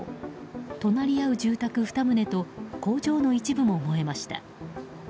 隣り合う住宅２棟と工場の一部も燃えました。